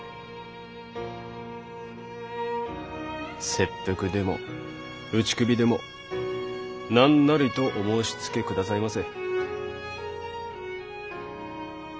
切腹でも打ち首でも何なりとお申しつけくださいませ。